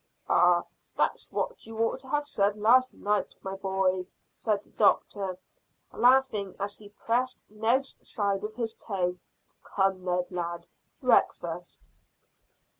"Ah, that's what you ought to have said last night, my boy," said the doctor, laughing, as he pressed Ned's side with his toe. "Come, Ned, lad: breakfast."